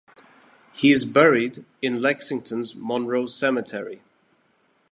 He is buried in Lexington's Munroe Cemetery.